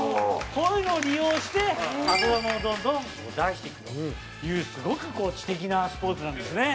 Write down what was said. こういうのを利用して後球をどんどん出していくというすごくこう知的なスポーツなんですね。